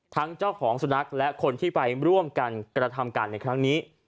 ทั้งเจ้าของสุนัขและคนที่ไปร่วมกันกระทำการในครั้งนี้